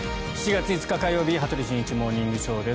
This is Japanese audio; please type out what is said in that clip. ７月５日、火曜日「羽鳥慎一モーニングショー」。